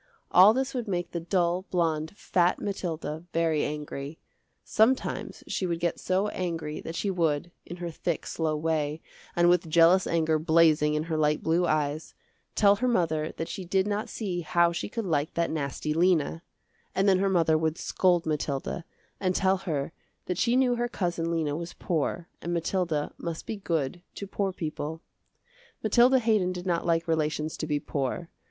All this would make the dull, blonde, fat Mathilda very angry. Sometimes she would get so angry that she would, in her thick, slow way, and with jealous anger blazing in her light blue eyes, tell her mother that she did not see how she could like that nasty Lena; and then her mother would scold Mathilda, and tell her that she knew her cousin Lena was poor and Mathilda must be good to poor people. Mathilda Haydon did not like relations to be poor.